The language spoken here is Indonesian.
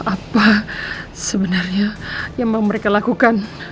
apa sebenarnya yang mau mereka lakukan